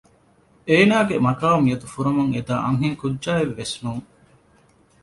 އޭނާގެ މަގާމް މިއަދު ފުރަމުން އެދާ އަންހެންކުއްޖާއެއް ވެސް ނޫން